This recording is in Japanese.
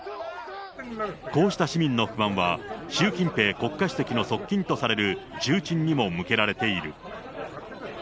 こうした市民の不安は、習近平国家主席の側近とされる、重鎮にも向けられている。